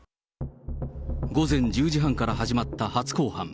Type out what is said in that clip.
午前１０時半から始まった初公判。